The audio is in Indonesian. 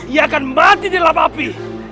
ia akan mati di lap api